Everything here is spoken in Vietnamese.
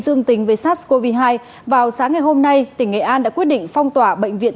dương tính với sars cov hai vào sáng ngày hôm nay tỉnh nghệ an đã quyết định phong tỏa bệnh viện